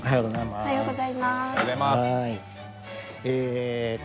おはようございます。